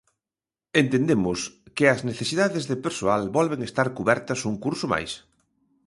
Entendemos que as necesidades de persoal volven estar cubertas un curso máis.